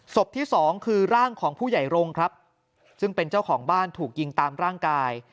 ที่สองคือร่างของผู้ใหญ่รงค์ครับซึ่งเป็นเจ้าของบ้านถูกยิงตามร่างกาย